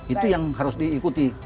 itu yang harus diikuti